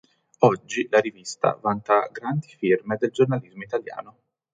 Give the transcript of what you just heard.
Oggi la rivista vanta grandi firme del giornalismo italiano.